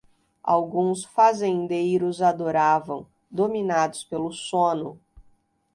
Alguns fazendeiros adoravam, dominados pelo sono.